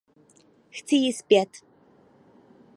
Chci ji zpět.